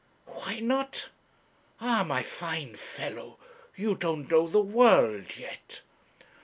'Why not? Ah, my fine fellow, you don't know the world yet.